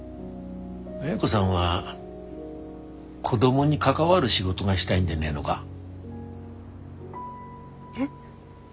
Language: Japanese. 亜哉子さんは子供に関わる仕事がしたいんでねえのが？え？